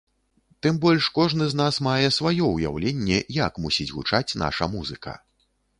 Тым больш кожны з нас мае сваё ўяўленне, як мусіць гучаць наша музыка.